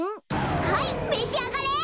はいめしあがれ！